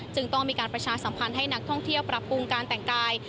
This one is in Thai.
ต้องมีการประชาสัมพันธ์ให้นักท่องเที่ยวปรับปรุงการแต่งกาย